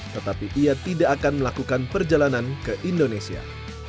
tetapi ia tidak akan melakukan perjalanan ke indonesia